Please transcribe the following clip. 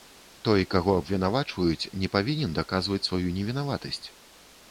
Той, каго абвінавачваюць, не павінен даказваць сваю невінаватасць.